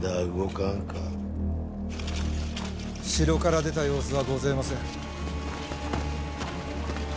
城から出た様子はごぜません。